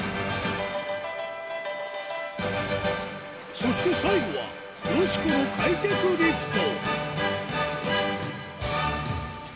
そして最後は、よしこの開脚リフト。